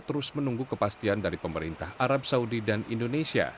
terus menunggu kepastian dari pemerintah arab saudi dan indonesia